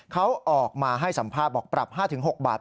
เขาออกมาให้สัมภาษณ์บอกปรับ๕๖บาท